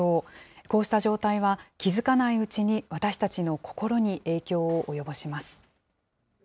こうした状態は、気付かないうちに私たちの心に影響を及ぼします。